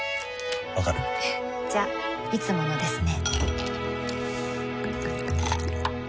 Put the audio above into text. わかる？じゃいつものですね